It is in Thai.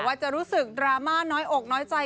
ว่าจะรู้สึกดราม่าน้อยอกน้อยใจ